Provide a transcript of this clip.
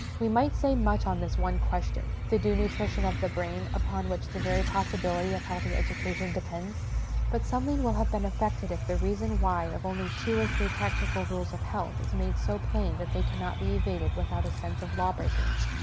We might say much on this one question, the due nutrition of the brain, upon which the very possibility of healthy education depends. But something will have been effected if the reason why of only two or three practical rules of health is made so plain that they cannot be evaded without a sense of law breaking.